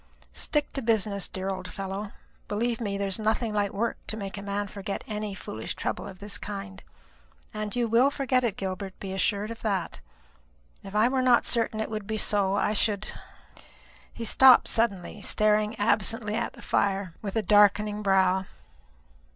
Stick to business, dear old fellow. Believe me, there is nothing like work to make a man forget any foolish trouble of this kind. And you will forget it, Gilbert, be assured of that. If I were not certain it would be so, I should " He stopped suddenly, staring absently at the fire with a darkening brow.